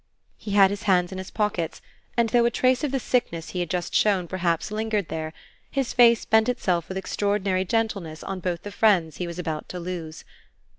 He had his hands in his pockets and, though a trace of the sickness he had just shown perhaps lingered there, his face bent itself with extraordinary gentleness on both the friends he was about to lose.